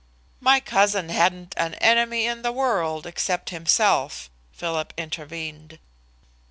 "My cousin hadn't an enemy in the world except himself," Philip intervened.